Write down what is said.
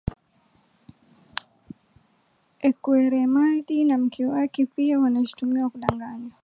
Ekweremadi na mke wake pia wanashutumiwa kudanganya